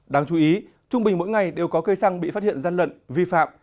đáng chú ý trung bình mỗi ngày đều có cây xăng bị phát hiện gian lận vi phạm